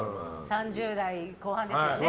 ３０代後半ですよね。